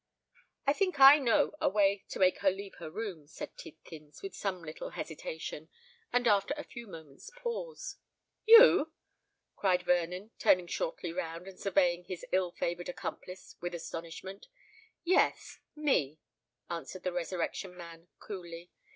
"I think I know a way to make her leave her room," said Tidkins, with some little hesitation, and after a few moments' pause. "You!" cried Vernon, turning shortly round, and surveying his ill favoured accomplice with astonishment. "Yes—me," answered the Resurrection Man, coolly.